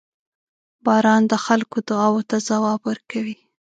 • باران د خلکو دعاوو ته ځواب ورکوي.